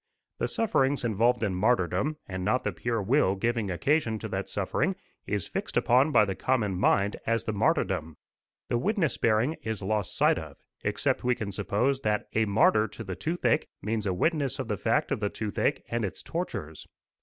The sufferings involved in martyrdom, and not the pure will giving occasion to that suffering, is fixed upon by the common mind as the martyrdom. The witness bearing is lost sight of, except we can suppose that "a martyr to the toothache" means a witness of the fact of the toothache and its tortures.